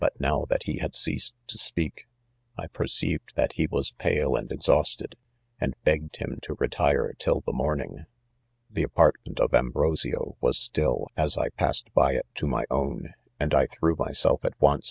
now that he ihad ceased to speak,! ^perceiv^i^tbat he was pale and exhausted, and begged him to retire, till the mornings The apartment of Ambrosio was still, as I passed by it to my own $ and I threw: myself at onca.